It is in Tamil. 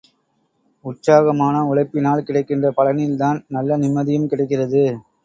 உற்சாகமான உழைப்பினால் கிடைக்கின்ற பலனில்தான், நல்ல நிம்மதியும் கிடைக்கிறது.